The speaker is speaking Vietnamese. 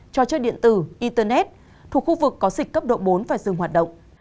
cho chơi điện tử internet thuộc khu vực có dịch cấp độ bốn và dừng hoạt động